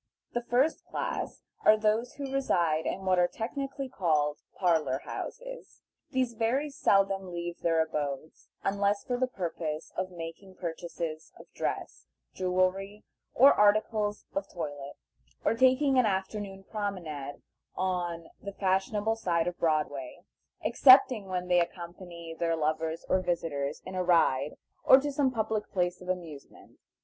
The first class are those who reside in what are technically called "Parlor Houses." These very seldom leave their abodes, unless for the purpose of making purchases of dress, jewelry, or articles of toilette, or taking an afternoon promenade on the fashionable side of Broadway, excepting when they accompany their lovers or visitors in a ride, or to some public place of amusement.